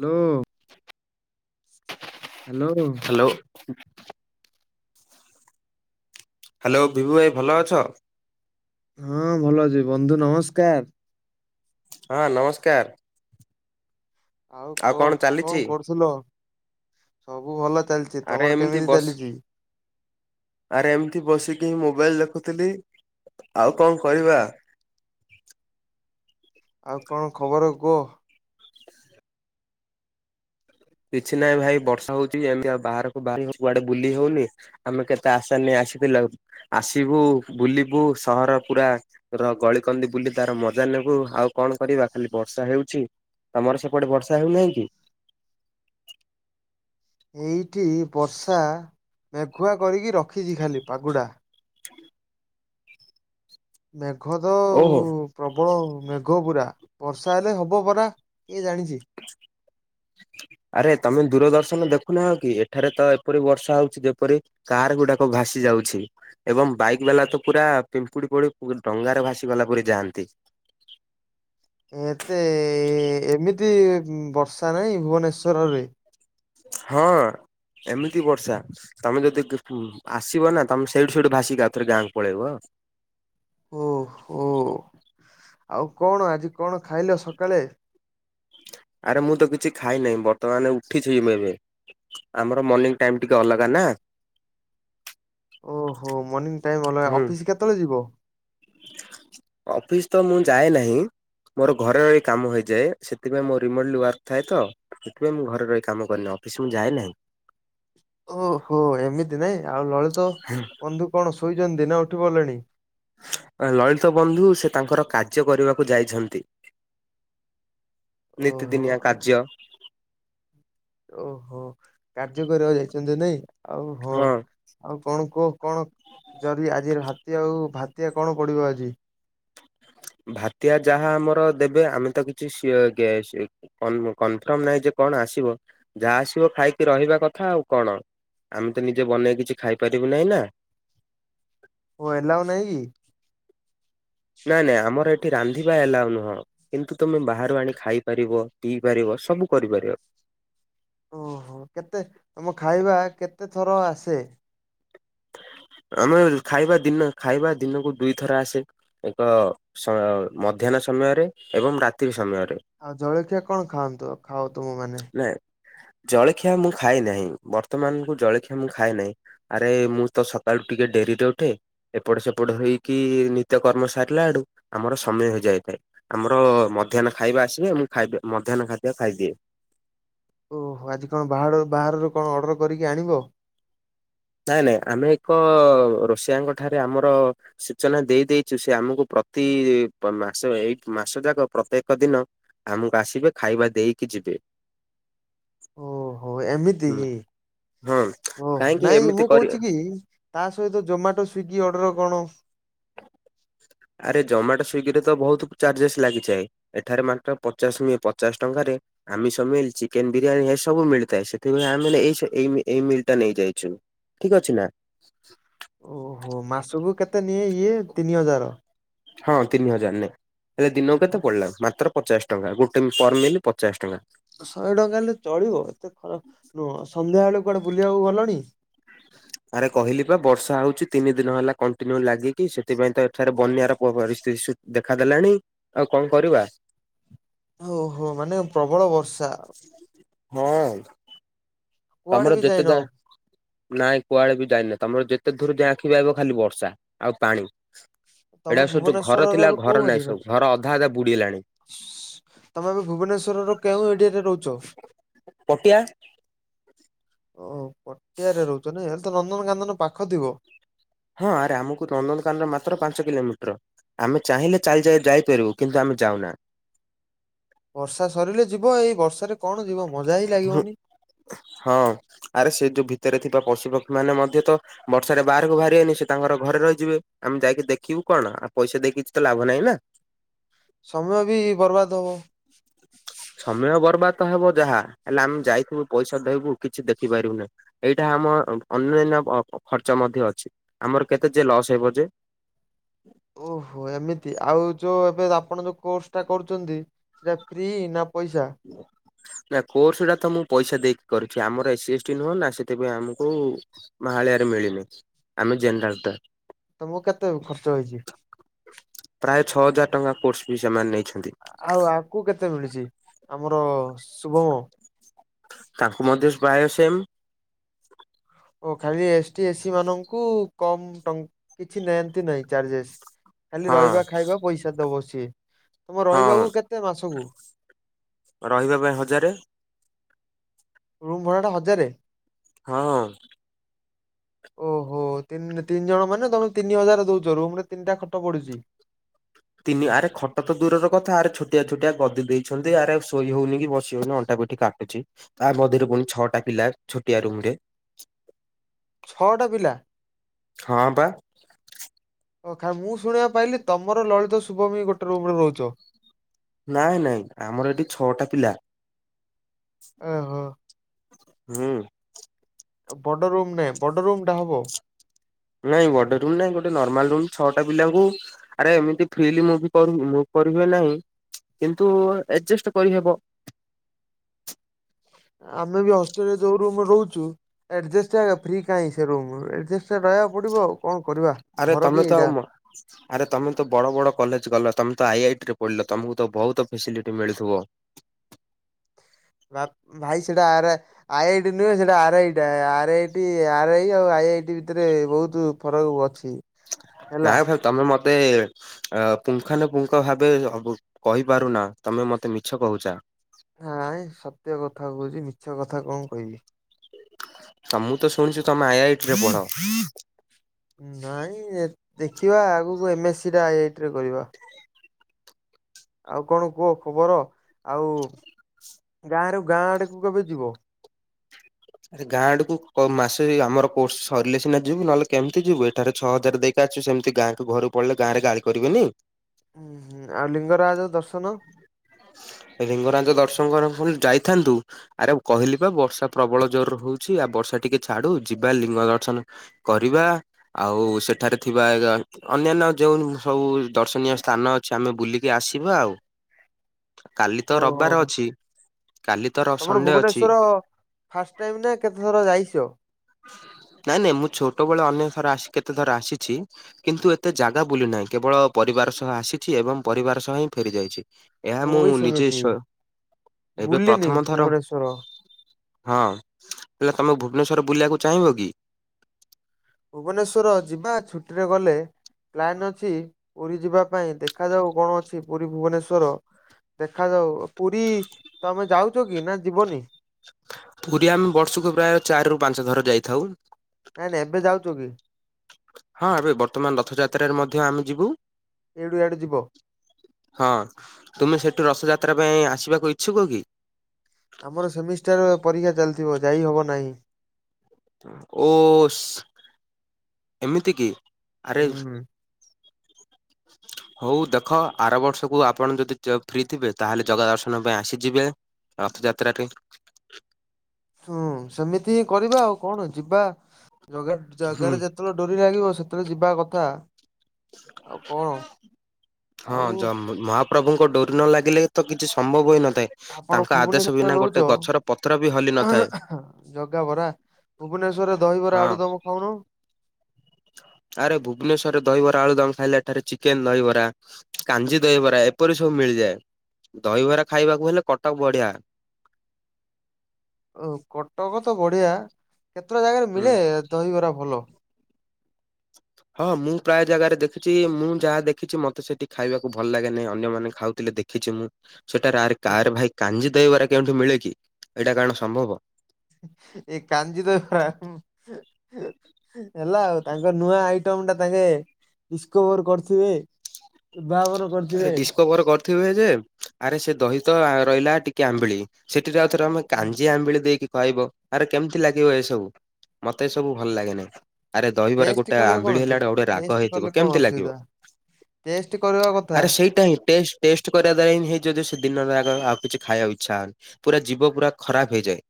Hello hello hello hello ବୁଭୁ ଭାଇ ଭଲ ଅଛ? ହଁ ଭଲ ଅଛି ବନ୍ଧୁ ନମସ୍କାର ହଁ ନମସ୍କାର ଆଉ କୁହ କଣ ଚାଲିଛି? କଣ କରୁଥିଲ ସବୁ ଭଲ ଚାଲିଛି ଆରେ ତମର ଏମିତି କେମିତି ବସ ଚାଲିଛି ଆରେ ଏମିତି ବସିକି ହିଁ ମୋବାଇଲ ଦେଖୁଥିଲି ଆଉ କଣ କରିବା [unintelligible] କିଛି ନାହିଁ ଭାଇ ବର୍ଷା ହଉଛି ଏମିତି ଆଉ ବାହାରକୁ ବାହାର କୁଆଡେ ବୁଲି ହଉନି ଆମେ କେତେ ଆସା ନେଇ ଆସିଥିଲ ଆସିବୁ ବୁଲିବୁ ସହର ପୁରା ର ଗଳିକନ୍ଦି ବୁଲି ତାର ମଜା ନେବୁ ଆଉ କଣ କରିବା ଖାଲି ବର୍ଷା ହେଉଛି ତମର ସେପଟେ ବର୍ଷା ହେଉନାହିଁ କି? ଏଇଠି ବର୍ଷା ମେଘୁଆ କରିକି ରଖିଛି ଖାଲି ପଗଟା ମେଘ ତ ଓହୋ। ପ୍ରବଳ ମେଘ ପୂରା ବର୍ଷା ହେଲେ ହେବ ପରା କିଏ ଜାଣିଛି ଆରେ ତମେ ଦୂରଦର୍ଶନ ଦେଖୁନାହକି ଏଠାରେ ତ ଏପରି ବର୍ଷା ହଉଛି ଯେପରି କାର ଗୁଡାକ ଭାସି ଯାଉଛି ଏବଂ ବାଇକ ବାଲା ତ ପୁରା ପିମ୍ପୁଡି ପଡି ଡଙ୍ଗାରେ ଭାସି ଗଲା ପରୀ ଯାଆନ୍ତି ଏତେ ଏମିତି ବର୍ଷା ନାହିଁ ଭୁବନେଶ୍୍ୱରରେ ହଁ ଏମିତି ବର୍ଷା ତମେ ଯଦି କୁ ଆସିବ ନା ତମେ ସେଇଠୁ ସେଇଠୁ ଭସିକି ଆଉ ଥରେ ଗାଁକୁ ପଳେଇବ। ଓହୋ ଆଉ କଣ ଆଜି କଣ ଖାଇଲ ସକାଳେ? ଆରେ ମୁଁ ତ କିଛି ଖାଇ ନାଇ ବର୍ତ୍ତମାନ ଉଠିଛି ମୁଁ ଏବେ। ଆମର ମନିଙ୍ଗ ଟାଇମ ଟିକେ ଅଲଗା ନା। ଓହୋ ମନିଙ୍ଗ ଟାଇମ ଅଲଗା ହୁଁ ଅଫିସ କେତେବେଳେ ଯିବ? ଅଫିସ ତ ମୁଁ ଯାଏ ନାହିଁ। ମୋର ଘରେ ରଇ କାମ ହେଇଯାଏ ସେଥିପାଇଁ ମୋର ରିମୋଟଲି ୱାର୍କ ଥାଏ ତ। ସେଥିପାଇଁ ମୁଁ ଘରେ ରହି କାମ କରେନି ଅଫିସ ମୁଁ ଯାଏ ନାହିଁ। ଓହୋ ଏମିତି ନାଇଁ ଆଉ ଲଳିତ ବନ୍ଧୁ କଣ ଶୋଇଛନ୍ତି ନା ଉଠି ପଡ଼ିଲେଣି? ଲଳିତ ବନ୍ଧୁ ସେ ତାଙ୍କର କାର୍ଯ୍ୟ କରିବାକୁ ଯାଇଛନ୍ତି। ଓହୋ ନିତିଦିନିଆ କାର୍ଯ୍ୟ। ଓହୋ କାର୍ଯ୍ୟ କରିବାକୁ ଯାଇଛନ୍ତି ନାଇଁ ଆଉ ହଁ। ଆଉ କଣ କୁଅ କଣ ଜରି ଆଜିର ହାତି ଆଉ ଭାତିଆ କଣ ପଡ଼ିବ ଆଜି? ଭାତିଆ ଯାହା ଆମର ଦେବେ ଆମେ ତ କିଛି ସେ ଗେ ସେ କନ୍ କନଫର୍ମ ନହିଁ ଯେ କଣ ଆସିବ ଯାହା ଆସିବ ଖାଇକି ରହିବା କଥା ଆଉ କଣ। ଆମେ ତ ନିଜେ ବନେଇକି କିଛି ଖାଇପାରିବୁ ନାହିଁ ନା। ଓ ଆଲାଉ ନାହିଁ କି? ନାଇଁ ନାଇଁ ଆମର ଏଠି ରାନ୍ଧିବା ଏଲାଉ ନୁହଁ। କିନ୍ତୁ ତମେ ବାହାରୁ ଆଣି ଖାଇପାରିବ ପିଇ ପାରିବ ସବୁ କରିପାରିବ। ଓହୋ କେତେ ତମ ଖାଇବା କେତେ ଥର ଆସେ? ଆମେ ଖାଇବା ଦିନ ଖାଇବା ଦିନକୁ ଦୁଇଥର ଆସେ। ଏକ ସ ମଧ୍ୟାହ୍ନ ସମୟରେ ଏବଂ ରାତ୍ରି ସମୟରେ। ଆଉ ଜଳଖିଆ କଣ ଖାଆନ୍ତୁ ଖାଅ ତୁମ ମାନେ? ନାଁ ଜଳଖିଆ ମୁଁ ଖାଏ ନାହିଁ ବର୍ତ୍ତମାନ ମୁଁ ଜଳଖିଆ ମୁଁ ଖାଏ ନାହିଁ ଆରେ ମୁଁ ତ ସକାଳୁ ଟିକେ ଡ଼େରିରେ ଉଠେ। ଏପଟ ସେପଟ ହେଇକି ନିତ୍ୟ କର୍ମ ସାରିଲା ଆଡ଼ୁ ଆମର ସମୟ ହେଇଯାଇଥାଏ। ଆମର ମଧ୍ୟାହ୍ନ ଖାଇବା ଆସିଲେ ମୁଁ ଖାଇ ମଧ୍ୟାହ୍ନ ଖାଦ୍ୟ ଖାଇଦିଏ। ଓହୋ ଆଜି କଣ ବାହାଳୁ ବାହାରରୁ କଣ ଅର୍ଡ଼ର କରିକି ଆଣିବ? ନାଇଁ ନାଇଁ ଆମେ ଏକ ରୋଷିଆଙ୍କ ଠାରେ ଆମର ସୂଚନା ଦେଇ ଦେଇଛୁ ସେ ଆମକୁ ପ୍ରତି ପ ମାସ ଏଇ ମାସ ଯାକ ପ୍ରତ୍ୟେକ ଦିନ ଆମ ବାସିବେ ଖାଇବା ଦେଇକି ଯିବେ। ଓହୋ ହୁଁ ଏମିତିକି ହଁ। ଓ କାହିଁକି ନାଇଁ ଏମିତି ମୁଁ କରି କହୁଛି କି ତା ସହିତ ଜୋମାଟୋ ସ୍ଵିଗୀ ଅର୍ଡର କଣ? ଆରେ ଜମାଟୋ ସ୍ଵିଗିରେ ତ ବହୁତ ଚାର୍ଜେସ୍ ଲାଗିଯାଏ। ଏଠାରେ ମାତ୍ର ପଚାଶ ନିଏ ପଚାଶ ଟଙ୍କାରେ ଆମିଷ ମିଲ ଚିକେନ ବିରିୟାନୀ ଏସବୁ ମିଳିଥାଏ ସେଥିପାଇଁ ଆମେନା ଏଇସ ଏଇ ଏଇ ମିଲ୍ ଟା ନେଇଯାଇଛୁ। ଠିକ ଅଛି ନା? ଓହୋ ମାସକୁ କେତେ ନିଏ ଇଏ ତିନି ହଜାର? ହଁ ତିନି ହଜାର ନେ ହେଲେ ଦିନକୁ କେତେ ପଡ଼ିଲା ମାତ୍ର ପଚାଶ ଟଙ୍କା ଗୋଟେ ପର ମିଲ ପଚାଶ ଟଙ୍କା। ଶହେ ଟଙ୍କା ହେଲେ ଚଳିବ ଏତେ ଖରାପ ନୁହଁ ସନ୍ଧ୍ୟା ବେଳେ କୁଆଡ଼େ ବୁଲିବାକୁ ଗଲଣି? ଆରେ କହିଲି ବା ବର୍ଷା ହଉଚି ତିନି ଦିନ ହେଲା କଣ୍ଟିନ୍ୟୁ ଲାଗିକି ସେଥିପାଇଁ ତ ଏଠାରେ ବନ୍ୟାର ପ ପରିସ୍ଥିତି ଶୁ ଦେଖାଦେଲାଣି ଆଉ କଣ କରିବା? ଓହୋ ମାନେ ପ୍ରବଳ ବର୍ଷା। ହଁ। କୁଆଡେ ଆମର ବି ଯାଇନ ଯେତେଦା ନାଇଁ କୁଆଡେ ବି ଯାଇନି ତମର ଯେତେ ଧୁର ଯା ଆଖି ପାଇବ ଖାଲି ବର୍ଷା ଆଉ ପାଣି। ତମେ ଏଇଟା ସବୁ ଯୋଉ ଘର ଭୁବନେଶ୍ଵରର ଥିଲା ଏବେ କୋଉ ଘର ନାହିଁ ଏରିଆରେ ଅଛ? ସବୁ ଘର ଅଧା ଅଧା ବୁଡ଼ିଲାଣି। ତମେ ଏବେ ଭୁବନେଶ୍ୱରର କେଉଁ ଏଡ଼ିଆରେ ରହୁଛ? ପଟିଆ। ଓ ପଟିଆରେ ରହୁଛ ନା ହେଲେ ତ ନନ୍ଦନକନ୍ଦନ ପାଖ ଥିବ। ହଁ ଆରେ ଆମକୁ ନନ୍ଦନକାନରେ ମାତ୍ର ପାଞ୍ଚ କିଲୋମିଟର। ଆମେ ଚାହିଁଲେ ଚାଲିଯ ଯାଇପାରିବୁ କିନ୍ତୁ ଆମେ ଯାଉନା। ବର୍ଷା ସରିଲେ ଯିବ ଏଇ ବର୍ଷାରେ କଣ ଯିବ ମଜା ହିଁ ହୁଁ ଲାଗିବନି। ହଁ ଆରେ ସେ ଯୋଉ ଭିତରେ ଥିବା ପଶୁପକ୍ଷୀ ମାନେ ମଧ୍ୟ ତ ବର୍ଷାରେ ବାହାରକୁ ବାହାରି ଆନି ସେ ତାଙ୍କର ଘରେ ରହିଯିବେ ଆମେ ଯାଇକି ଦେଖିବୁ କଣ ଆଉ ପଇସା ଦେଇକି କିଛି ତ ଲାଭ ନାହିଁ ନା। ସମୟ ବି ବର୍ବାଦ ହବ। ସମୟ ବର୍ବାଦ। ହେବ ଯାହା ହେଲେ ଆମେ ଯାଇଥିବୁ ପଇସା ଦେହବୁ କିଛି ଦେଖି ପାରିବୁନି। ଏଇଟା ଆମ ଅନ୍ୟାନ୍ୟ ଖର୍ଚ୍ଚ ମଧ୍ୟ ଅଛି ଆମର କେତେ ଯେ ଲସ୍ ହେବ ଯେ। ଓହୋ ଏମିତି ଆଉ ଯୋଉ ଏବେ ଆପଣ ଯୋଉ କୋର୍ସ ଟା କରୁଛନ୍ତି। ସେଟା ଫ୍ରି ନା ପଇସା। ନା କୋର୍ସଟା ତ ମୁଁ ପଇସା ଦେଇକି କରିୁଛି ଆମର ଏ ଏସ୍ ଟି ନୁହଁ ନା ସେଥିପାଇଁ ଆମକୁ ମାହାଳିଆରେ ମିଳିନି ଆମେ ଜେନେରାଲ ଡାକ୍ତର ତମକୁ କେତେ ଖର୍ଚ୍ଚ ହେଇଛି। ପ୍ରାୟ ଛଅ ହଜାର ଟଙ୍କା କୋର୍ସ ବି ସେମାନେ ନେଇଛନ୍ତି। ଆଉ ଆକୁ କେତେ ମିଳିଛି ଆମର ଶୁଭମ। ତାଙ୍କୁ ମଧ୍ୟ ପ୍ରୟ ସେମ୍। ଓ ଖାଲି ଏସ୍ ଟି ଏ ସି ମାନଙ୍କୁ କମ କିଛି ନିଅନ୍ତି ନାହିଁ ଚାର୍ଜେସ୍। ଖାଲି ହଁ ରହିବା ଖାଇବା ପଇସା ଦବ ସିଏ ତମ ହଁ ରହିବାକୁ କେତେ ମାସକୁ। ରହିବା ପାଇଁ ହଜାରେ। ରୁମ୍ ଭଡ ଟା ହଜାରେ। ହଁ। ଓହୋ ତିନି ଜଣ ମାନେ ତମେ ତିନି ହଜାର ଦଉଛ ରୁମ ରେ ତିନିଟା ଖଟ ପଡୁଛି। ତିନି ଆରେ ଖଟ ତ ଦୂରର କଥା ଆରେ ଛୋଟିଆ ଛୋଟିଆ ଗଦି ଦେଇଛନ୍ତି ଆରେ ଶୋଇ ହଉନି କି ଅଣ୍ଟା ପଠ କାଟୁଛି ତା ମଧ୍ୟରେ ପୁଣି ଛଅଟା ପିଲା ଛୋଟିଆ ରୁମ ରେ। ଛଅଟା ପିଲା। ହଁ ବା ଓ ଖ ମୁଁ ଶୁଣିବା ପାଇଲି ତମର ଲଳିତ ଶୁଭମୀ ଗୋଟେ ରୁମ ରେ ରହୁଛ। ନାଇଁ ନାଇଁ ଆମର ଏଠି ଛଅଟା ପିଲା। ଓହୋ। ହୁଁ। ବଡ ରୁମ୍ ନାଇଁ ବଡ ରୁମ୍ ଟା ହବ। ନାଇଁ ବଡ ରୁମ୍ ନାଇଁ ଗୋଟେ ନର୍ମାଲ ରୁ ଛଅଟା ପିଲାଙ୍କୁ ଆରେ ଏମିତି ଫିଲ ମୁ ମୁ କରିବେ ନାହିଁ କିନ୍ତୁ ଆଡଜଷ୍ଟ କରିହେବ। ଆମେ ବି ଅଷ୍ଟେଲରେ ଯୋଉ ରୁମରେ ରହୁଛୁ। ଆଡ୍ଜେଷ୍ଟ ଭି କାହିଁ ରା ରହିବାକୁ ପଡିବ କଣ କରିବା ଆରେ ଘର ତମେ କି ତ ଏଇଟା। ମ ଆରେ ତୁମେ ତ ବଡ଼ ବଡ଼ କଲେଜ ଗଲ ତମେ ତ ଆଇଆଇଟିରେ ପଢ଼ିଲ ତମକୁ ତ ବହୁତ ଫ୍ୟାସିଲିଟି ମିଳୁଥିବ। ବା ଭାଇ ସେଇଟା ଆର ଆଇ ଆଇ ଟି ନୁହେଁ ସେଇଟା ଆର ଆଇଟା ଆର ଆଇଟି ଆର ଆଇ ଆଉ ଆଇ ଆଇଟି ଭିତରେ ବହୁତ ଫରକକୁ ଅଛି। ହେଲା ନାଇଁ ଭାଇ ତମେ ମତେ ଅ ପୁଙ୍ଗାନ ପୁଙ୍ଗ ଭାବେ କହିପାରୁନା ତମେ ମତେ ମିଛ କହୁଛ। ନାଇଁ ସତ୍ୟ କଥା କହୁଛି ମିଛ କଥା କଣ କହିବି। ତ ମୁଁ ତ ଶୁଣିଛୁ ତମେ ଆଇ ଆଇ ଟି ରେ ପଢ। ନାଇଁ ଦେଖିବା ଆଗକୁ ଏମଏସ୍ ସିଟା ଆଇ ଆଇ ଟିରେ କରିବା। ଆଉ କଣ କୁହ ଖବର। ଆଉ ଗାଁରୁ ଗାଁ ଆଡକୁ କେବେ ଯିବ। ଆରେ ଗାଁ ଆଡକୁ ମାସେ ଆମର କୋର୍ ସରିଲେ ସିନା ଯିବୁ ନହେଲେ କେମିତି ଯିବୁ ଏଠାରେ ଛଅ ହଜାର ଦେଇି ଛୁ ସେମିତି ଗାଁକୁ ଘରୁ ପଳେ ଗାଁରେ ଗାଳି କରିବେନି। ହୁଁ ହୁଁ ଆଉ ଲିଙ୍ଗରାଜ ଦର୍ଶନ। ଲିଙ୍ଗରାଜ ଦର୍ଶନ କରି ଯାଇଥାନ୍ତୁ ଆରେ କହିଲି ବା ବର୍ଷା ପ୍ରବଳ ଜୋରରେ ହଉଛି ଆଉ ବର୍ଷା ଟିକେ ଛାଡୁ ଯିବା ଲିଙ୍ଗ ଦର୍ଶନ କରିବା ଆଉ ସେଠାରେ ଥିବା ଅନ୍ୟାନ୍ୟ ଯୋଉ ସବୁ ଦର୍ଶନୀୟ ସ୍ଥାନ ଅ ଛି ଆମେ ବୁଲିକି ଆସିବା ଆଉ କାଲି ତ ରବିବାର ଓହୋ ଅଛି କାଲି ତ ତମର ସଣ୍ଡେ ଅଛି ଭୁବନେଶ୍ଵର ଫାଷ୍ଟ ଟାଇମ ନା କେତେଥର ଯାଇଛ ନାଇଁ ନାଇଁ ମୁଁ ଛୋଟବେଳେ ଅନ୍ୟ ଥର ଆସିଛି କେତେ ଥର ଆସିଛି କିନ୍ତୁ ଏତେ ଜାଗା ବୁଲି ନାହିଁ କେବଳ ପରିବାର ସହ ଆସିଛି ଏବଂ ପରିବାର ସହ ହିଁ ଫେରି ଯାଇଛି ଏହା ମୁଁ ବି ନିଜେ ସେମିତି ଏବେ ବୁଲିନି ପ୍ରଥମ ଥର ଭୁବନେଶ୍ଵର। ହଁ ହେଲେ ତମେ ଭୁବନେଶ୍ଵର ବୁଲିବାକୁ ଚାହିଁବ କି ଭୁବନେଶ୍ଵର ଯିବା ଛୁଟିରେ ଗଲେ ପ୍ଲାନ ଅଛି ପୁରୀ ଯିବା ପାଇଁ ଦେଖାଯାଉ କଣ ଅଛି ପୁରୀ ଭୁବନେଶ୍ଵର ଦେଖାାଯାଉ ପୁରୀ ତମେ ଯାଉଛ କି ନା ଯିବନି ପୁରୀ ଆମେ ବର୍ଷକୁ ପ୍ରାୟ ଚାରି ରୁ ପାଞ୍ଚ ଥର ଯାଇଥାଉ ନାଇଁ ନାଇଁ ଏବେ ଯାଉଛୁ କି ହଁ ଏବେ ବର୍ତ୍ତମାନ ରଥଯାତ୍ରାରେ ମଧ୍ୟ ଆମେ ଯିବୁ ଏଇଠୁଆଡ଼େ ଯିବ ହଁ ତୁମେ ସେଠୁ ରଥଯାତ୍ରା ପାଇଁ ଆସିବାକୁ ଇଚ୍ଛୁକ କି? ଆମର ସେମିଷ୍ଟାର ପରୀକ୍ଷା ଚାଲିଥିବ ଯାଇ ହବ ନାହିଁ ଓ ଏମିତି କି ଆରେ ହୁଁ। ହ [inaudible] ହଉ ଦେଖ ଆର ବର୍ଷକୁ ଆପଣ ଯଦି ଫ୍ରି ଥିବେ ତାହେଲେ ଜଗା ଦର୍ଶନ ପାଇଁ ଆସିଯିବେ ରଥଯାତ୍ରା ପାଇଁ ହୁଁ ସେମିତି ହିଁ କରିବା ଆଉ କଣ ଯିବା ଜଗା ହୁଁ ଜାଗାରେ ଯେ ଯେତେବେଳେ ଡୋରି ଲାଗିବ ସେତେବେଳେ ଯିବା କଥା ଆଉ କଣ। ହଁ ଆଉ ଯ ମହା ପ୍ରଭୁଙ୍କ ଡୋରି ନ ଲାଗିଲେ ତ କିଛି ସମ୍ଭବ ହୋଇନଥାଏ ଆପଣ ତାଙ୍କ ଆଦେଶ ଭୁବନେଶ୍ଵରରେ ବିନା ରହୁଛ ଗୋଟେ ଗଛର ପତ୍ର ବି ହଲି ନଥାଏ। ଜଗା ବରା ଭୁବନେଶ୍ୱରରେ ଦହିବରା ହଁ ଆଳୁ ଦମ ଖାଉନୁ ଆରେ ଭୁବନେଶ୍ଵରରେ ଦହିବରା ଆଳୁ ଦମ ଖାଇଲେ ଏଠାରେ ଚିକେନ ଦହିବରା କାଞ୍ଜି ଦହିବରା ଏପରି ସବୁ ମିଳିଯାଏ ଦହିବରା ଖାଇବାକୁ ହେଲେ କଟକ ବଢିଆ ଓ କଟକ ତ ବଢିଆ କେତେଟା ଜାଗାରେ ହୁଁ ମିଳେ ଦହିବରା ଭଲ ହଁ ମୁଁ ପ୍ରାୟ ଜାଗାରେ ଦେଖିଛି ମୁଁ ଯାହା ଦେଖିଛି ମତେ ସେଠି ଖାଇବାକୁ ଭଲ ଲାଗେ ନାହିଁ ଅନ୍ୟମାନେ ଖାଉ ଥିଲେ ଦେଖିଛି ମୁଁ ସେଟାରେ ଆରେ କରେ ଭାଇ କାଞ୍ଜି ଦହିବରା କେଉଁଠି ମିଳେ କି ଏଇଟା କାରଣ ସମ୍ଭବ ଏ କାଞ୍ଜି ଦହିବରା ହେଲା ଆଉ ତାଙ୍କ ନୂଆ ଆଇଟମ ଟା ତାଙ୍କେ ଡିସକୋଭର କରିଥିବେ ଉଦ୍ଧାବନ ଆରେ ଡିସକଭର କରିଥିବେ ଯେ ଆରେ ସେ ଦହି ତ ରହିଲା ଟିକେ ଆମ୍ବିଳି ସେଠିରେ ଆଉଥରେ ଆମେ କାଞ୍ଜି ଆମ୍ବଳି ଦେଇକି କହିବ ଆରେ କେମିତି ଲାଗିବ ଏସବୁ ମତେ ଏ ସବୁ ଭଲ ଲାଗେ ନାହିଁ ଆରେ ଦହିବରା ଟେଷ୍ଟ ଗୋଟେ କରିବ ଆମ୍ବିଳି କଣ ଅଛି ହେଲା ବଡେ ଗୋଟେ ରାଗ ଟେଷ୍ଟ କଲେ ହେଇଥିବ କଣ କେମିତି ଲାଗିବ ଅସୁବିଧା ଟେଷ୍ଟ କର ଆରେ ସେଇଟା ହିଁ ଟେଷ୍ଟ ଟେଷ୍ଟ କରିବା ଦେଇନ ହିଁ ହେଇ ଯ ସେ ଦିନ ଯାକ ଆଉ କିଛି ଖାଇବା ଇଚ୍ଛା ହୁଏନି ଜୀଭ ପୁରା ଖରାପ ହେଇଯାଏ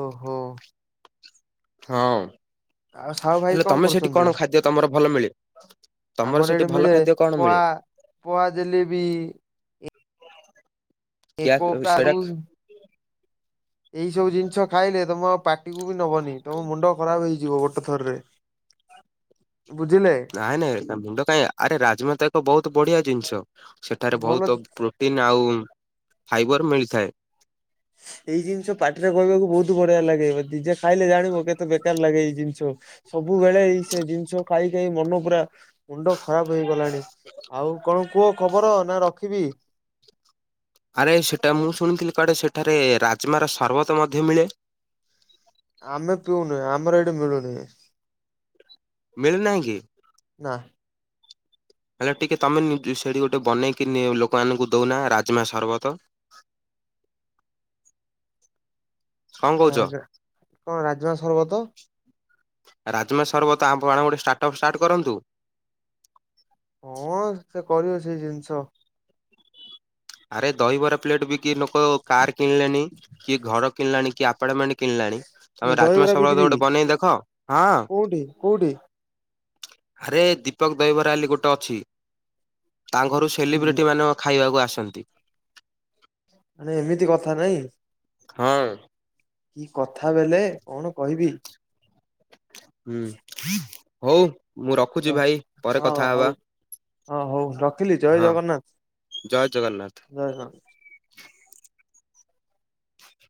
ଓହୋ ହଁ ଆଉ ସାହୁ ଭାଇ ହେଲେ କଣ ତମେ ସେଠି କରୁଛନ୍ତି? ଖାଦ୍ୟ ତମର ଭଲ ମିଳେ ତମର ଆମର ସେଠି ଏଇଠି ଭଲ ମିଳେ ଖାଦ୍ୟ କଣ ପଆ ମିଳେ? ପଆ ଜଲେବି କିଆ ଏକ ତ [inaudible] ସେଟା ଏଇ ସବୁ ଜିନିଷ ଖାଇଲେ। ତମ ପାଟିକୁ ବି ନବନି ତମ ମୁଣ୍ଡ ଖରାପ ହେଇଯିବ। ଗୋଟେ ଥରରେ। ବୁଝିଲେ ନାଇଁ ନାଇଁ ମୁଣ୍ଡ କାଇଁ ଆରେ ରାଜମା ତ ଏକ ବହୁତ ବଢିଆ ଜିନିଷ ସେଠାରେ ଭଲ ବହୁତ ପ୍ରୋ ଟିନା ଆଉ ଫାଇବର ମିଳିଥାଏ। ଏଇ ଜିନିଷ ପାଟିରେ କହିବାକୁ ବହୁତ ବଢିଆ ଲାଗେ ନିଜେ ଖାଇଲେ ଜାଣିବୁ କେତେ ବେକାର ଲାଗେ ଏଇ ଜିନିଷ। ସବୁବେଳେ ଏଇ ସେ ଜିନିଷ ଖାଇ ଖାଇ ମନ ପୁରା ମୁଣ୍ଡ ଖରାପ ହେଇ ଗଲାଣି ଆଉ କଣ କୁହ ଖବର ନା ରଖିବି। ଆରେ ସେଟା ମୁଁ ଶୁଣିଥିଲି କୁଆଡେ ସେଠାରେ ରାଜମାର ସରବତ ମଧ୍ୟ ମିଳେ। ଆମେ ପିଉନୁ ଆମର ଏଇଠି ମିଳୁନି। ମିଳି ନାହିଁ କି? ନା। ହେଲେ ଟିକେ ତମେ ସେଠି ଗୋଟେ ବନେଇକି ଲୋକମାନଙ୍କୁ ଦଉନା ରାଜମା ସରବତ। କଣ କହୁଛ? ନାରେ କଣ ରାଜମା ସର୍ବତ ରାଜମା ସର୍ବତ ଆମ୍ବ ଆଣ ଗୋଟେ ଷ୍ଟାର୍ଟଅପ୍ ଷ୍ଟାର୍ଟ କରନ୍ତୁ। ହଁ ସେ କରିବ ସେ ଜିନିଷ। ଆରେ ଦହିବରା ପ୍ଲେଟ ବିକି ଲୋକ କାର୍ କିଣିଲେଣି କି ଘର କିଣିଲାଣି କି ଆ ଆପାର୍ଟମେଣ୍ଟ କିଣିଲାଣି ଇଏ ତମେ ରାଜମା ଦହିବରା ସର୍ବତ ବିକିବି କି ଗୋଟେ ବନେଇ ଦେଖ ହଁ କୋଉଠି କୋଉଠି? ଆରେ ଦୀପକ ଦହିବରା ହେଲି ଗୋଟେ ଅଛି। ତାଙ୍କ ଘରୁ ସେଲିବ୍ରେଟି ମାନ ଖାଇବାକୁ ଆସନ୍ତି। ମାନେ ଏମିତି କଥା ନାଇଁ। ହଁ। କି କଥା ବେଲେ କଣ କହିବି? ହୁଁ ହଉ ମୁଁ ରଖୁଛି ହଁ ଭାଇ ପରେ କଥା ହଉ ହବା। ହଁ ହଉ ରଖିଲି ଜୟ ହଁ ଜଗନ୍ନାଥ ଜୟ ଜଗନ୍ନାଥ। ଜୟ ହଁ।